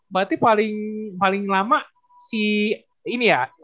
berarti paling lama si ini ya